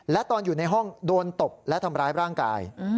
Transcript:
และตอนอยู่ในห้องโดนตบและทำร้ายร่างกาย